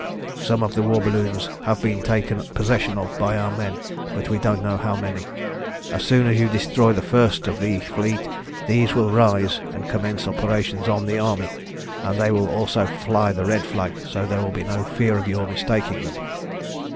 Some of the war balloons have been taken possession of by our men, but we don't know how many. As soon as you destroy the first of the fleet, these will rise and commence operations on the army, and they will also fly the red flag, so there will be no fear of your mistaking them."